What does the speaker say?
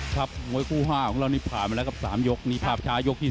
ครับงวยครู้ห้าของเรานี่ผ่านมาแล้วที่นี่คราวต่อที่๓